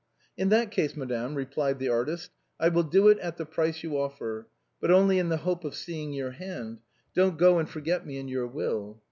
" In that case, madame," replied the artist, " I will do it at the price you offer — but only in the hope of seeing your hand. Don't go and forget me in your will."